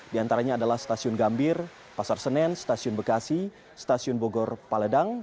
di antaranya adalah stasiun gambir pasar senen stasiun bekasi stasiun bogor paledang